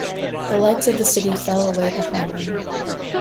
The lights of the city fell away behind them.